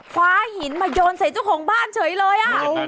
คว้าหินมาโยนใส่เจ้าของบ้านเฉยเลย